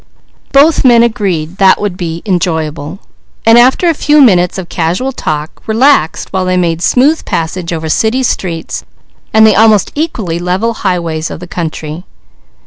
Both men agreed that would be enjoyable. After a few minutes of casual talk they relaxed while making smooth passage over city streets and the almost equally level highways of the country.